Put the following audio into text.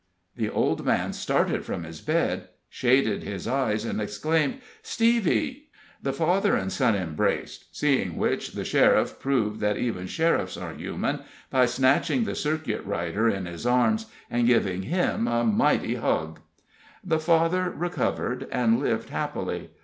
The old man started from his bed, shaded his eyes, and exclaimed: "Stevie!" The father and son embraced, seeing which the sheriff proved that even sheriffs are human by snatching the circuit rider in his arms and giving him a mighty hug. The father recovered and lived happily.